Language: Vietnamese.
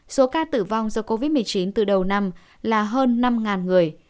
số ca tử vong do covid một mươi chín từ đầu năm là hơn năm người